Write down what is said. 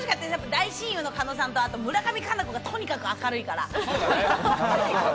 大親友の加納さんと村上佳菜子がとにかく明るいから。